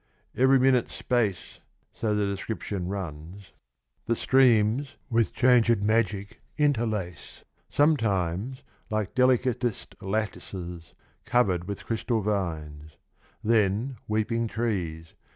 " Every minute's space "— so the description runs — The streams with changed magic interlace : Sometimes like delicatest lattices, Cover'd with crystal vines; then weeping trees.